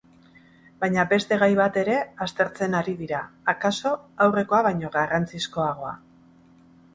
Baina beste gai bat ere aztertzen ari dira, akaso aurrekoa baino garrantzizkoagoa.